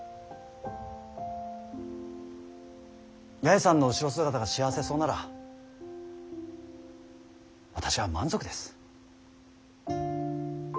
八重さんの後ろ姿が幸せそうなら私は満足です。